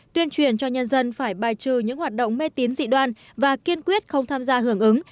tuyên truyền cho nhân dân phải bài trừ những hoạt động mê tín dị đoan và kiên quyết không tham gia hưởng ứng